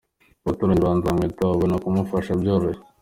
Abaturanyi ba Nzabamwita babona kumufasha byoroshye.